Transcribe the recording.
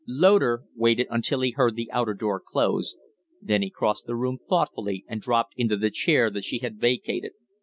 Loder waited until he heard the outer door close, then he crossed the room thoughtfully and dropped into the chair that she had vacated.